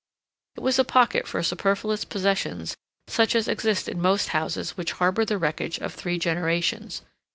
It was a pocket for superfluous possessions, such as exist in most houses which harbor the wreckage of three generations.